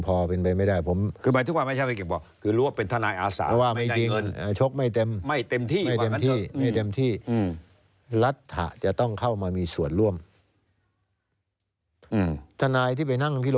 พอไปแล้วไม่ได้